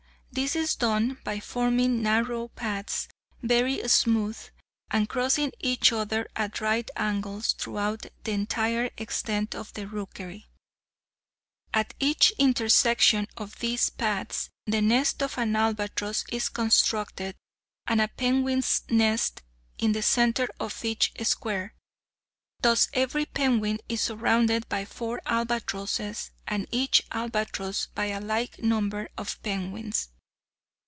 This is done by forming narrow paths, very smooth, and crossing each other at right angles throughout the entire extent of the rookery. At each intersection of these paths the nest of an albatross is constructed, and a penguin's nest in the centre of each square—thus every penguin is surrounded by four albatrosses, and each albatross by a like number of penguins.